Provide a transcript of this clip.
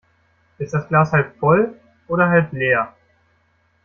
Ist das Glas halb voll oder halb leer?